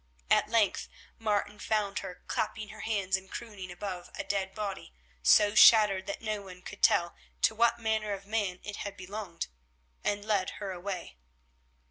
At length Martin found her clapping her hands and crooning above a dead body, so shattered that no one could tell to what manner of man it had belonged, and led her away.